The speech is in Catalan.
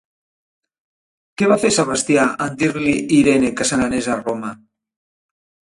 Què va fer Sebastià en dir-li Irene que se n'anés de Roma?